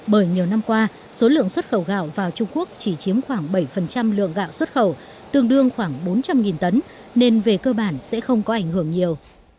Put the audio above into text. bởi nhiều năm qua số lượng xuất khẩu gạo vào trung quốc chỉ chiếm khoảng bảy lượng gạo xuất khẩu tương đương khoảng bốn trăm linh tấn nên về cơ bản sẽ không có ảnh hưởng nhiều